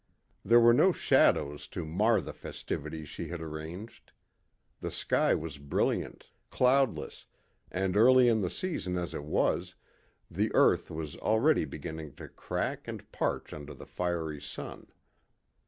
There were no shadows to mar the festivities she had arranged. The sky was brilliant, cloudless, and early in the season as it was, the earth was already beginning to crack and parch under the fiery sun.